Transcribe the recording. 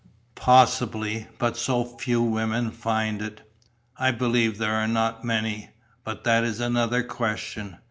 "Possibly. But so few women find it." "I believe there are not many. But that is another question.